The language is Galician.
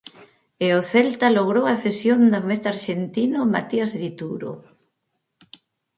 E o Celta logrou a cesión do meta arxentino Matías Dituro.